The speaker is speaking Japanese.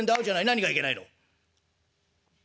何がいけないの？」。